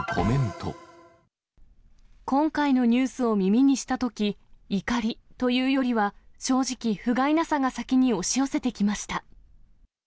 今回のニュースを耳にしたとき、怒りというよりは正直、ふがいなさが先に押し寄せてきました。